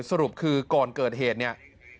สรุปคือก่อนเกิดเหตุเนี่ย